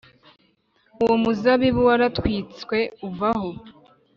Uwo muzabibu waratwitswe uvaho